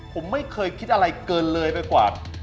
ผมไม่เคยคิดอะไรเกินเลยไปกว่า